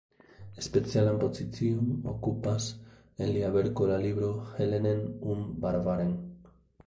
Specialan pozicion okupas en lia verko la libro "Hellenen und Barbaren.